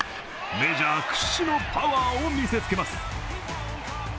メジャー屈指のパワーを見せつけます。